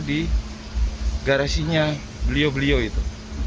di garasinya beliau beliau itu